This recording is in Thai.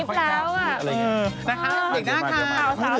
นะครับหลีกหน้าค่ะ